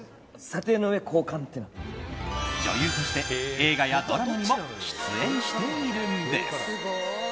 女優として映画やドラマにも出演しているんです。